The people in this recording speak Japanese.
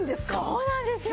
そうなんですよ